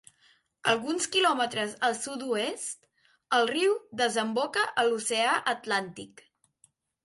Alguns quilòmetres al sud-oest, el riu desemboca a l'oceà Atlàntic.